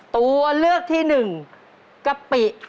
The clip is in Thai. ตัวเลือกที่หนึ่งกะปิ